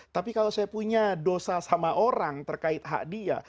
tapi kalau saya punya dosa sama orang terkait hak dia